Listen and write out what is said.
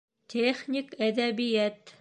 Техник әҙәбиәт